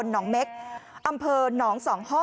เจอเขาแล้ว